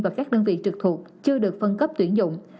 và các đơn vị trực thuộc chưa được phân cấp tuyển dụng